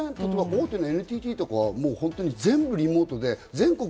大手のＮＴＴとかは全部リモートで全国